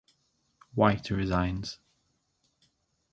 White resigns.